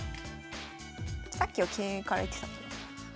さっきは桂から行ってた。